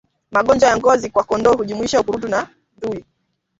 Magonjwa ya ngozi kwa kondoo hujumuisha ukurutu na ndui